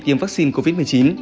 tiêm vaccine covid một mươi chín